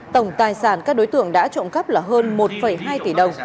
tổng tài sản các đối tượng đã trộm cắp là hơn một hai tỷ đồng